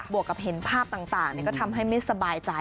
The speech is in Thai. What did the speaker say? วกกับเห็นภาพต่างก็ทำให้ไม่สบายใจ